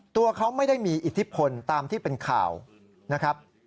ตัวเขาไม่ได้มีอิทธิพลตามที่เป็นข่าวนะครับ